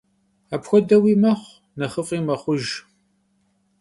Apxuedeui mexhu, nexhıf'i mexhujj.